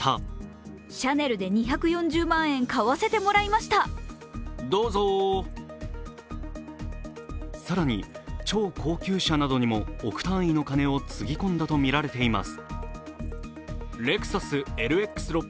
また更に超高級車などにも億単位の金をつぎ込んだとみられています。